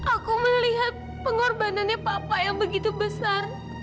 aku melihat pengorbanannya papa yang begitu besar